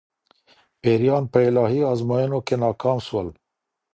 پيريان په الهي ازموينو کي ناکام سول